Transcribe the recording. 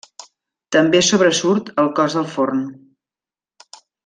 També sobresurt el cos del forn.